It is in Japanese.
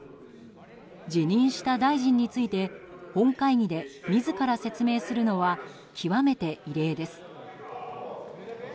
辞任した大臣について本会議で自ら説明するのは極めて異例です。